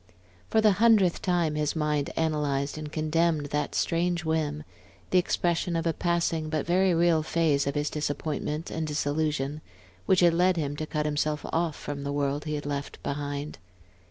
For the hundredth time his mind analyzed and condemned that strange whim, the expression of a passing but very real phase of his disappointment and disillusion, which had led him to cut himself off from the world he had left behind.